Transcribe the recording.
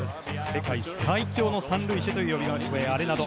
世界最強の３塁手という呼び声高いアレナド。